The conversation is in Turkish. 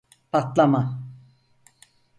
Patlama!